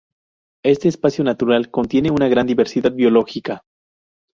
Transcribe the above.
Este espacio natural contiene una gran diversidad biológica.